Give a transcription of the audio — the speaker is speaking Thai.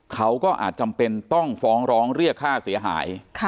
อาจจำเป็นต้องฟ้องร้องเรียกค่าเสียหาย